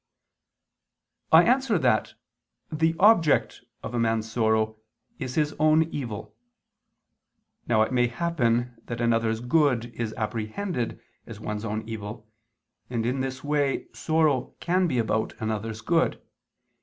I answer that, The object of a man's sorrow is his own evil. Now it may happen that another's good is apprehended as one's own evil, and in this way sorrow can be about another's good.